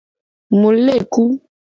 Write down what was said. Mu le ku.